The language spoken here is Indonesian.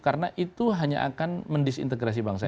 karena itu hanya akan mendisintegrasi bangsa ini